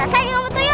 rasain dengan betul ya